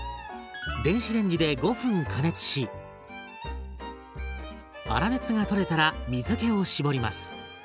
電子レンジで５分加熱し粗熱が取れたら水けを絞ります。